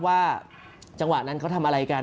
ว่าจังหวะนั้นเขาทำอะไรกัน